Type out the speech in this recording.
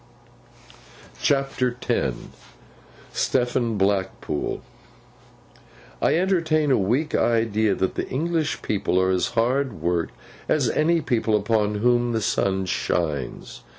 CHAPTER X STEPHEN BLACKPOOL I ENTERTAIN a weak idea that the English people are as hard worked as any people upon whom the sun shines.